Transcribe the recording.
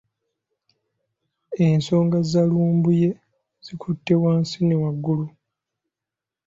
Ensonga za Lumbuye zikutte wansi ne waggulu.